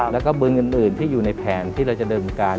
แล้วก็บึงอื่นที่อยู่ในแผนที่เราจะเดิมการ